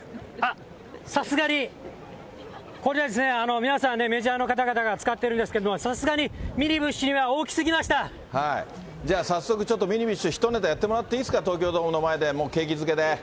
さすがに、これはですね、皆さんね、メジャーの方々が使ってるんですけども、さすがにミニビッシュにじゃあ、早速、ミニビッシュ、ひとネタやってもらっていいですか、東京ドームの前で、もう景気づけで。